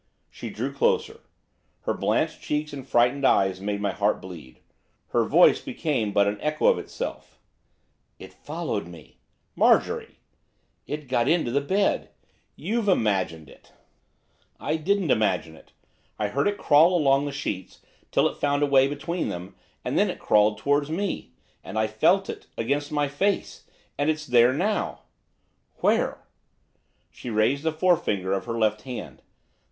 She drew closer. Her blanched cheeks and frightened eyes made my heart bleed. Her voice became but an echo of itself. 'It followed me.' 'Marjorie!' 'It got into the bed.' 'You imagined it.' 'I didn't imagine it. I heard it crawl along the sheets, till it found a way between them, and then it crawled towards me. And I felt it against my face. And it's there now.' 'Where?' She raised the forefinger of her left hand.